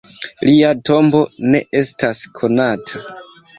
Lia tombo ne estas konata.